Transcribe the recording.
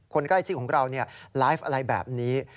คนใกล้ชิดของเราไลฟ์อะไรแบบนี้